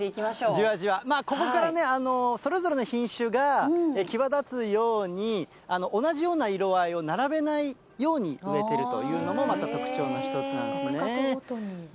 じわじわ、ここからね、それぞれの品種が際立つように、同じような色合いを並べないように植えてるというのも、また特徴の一つなんですね。